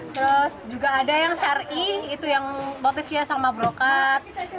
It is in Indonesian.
terus juga ada yang syari itu yang motifnya sama brokat